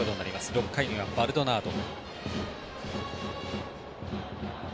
６回にはバルドナード。